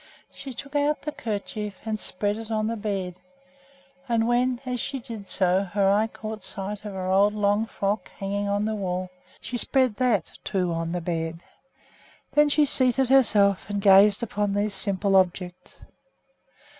She took out the kerchief and spread it on the bed; and when, as she did so, her eye caught sight of her old long frock hanging on the wall, she spread that, too, on the bed. Then she seated herself and gazed upon these simple objects.